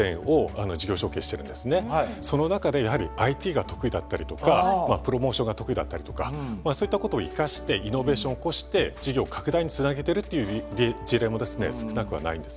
その中でやはりＩＴが得意だったりとかプロモーションが得意だったりとかまあそういったことを生かしてイノベーションを起こして事業拡大につなげてるっていう事例も少なくはないんですね。